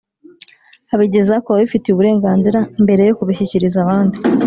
Abigeza ku babifitiye uburenganzira mbere yo kubishyikiriza abandi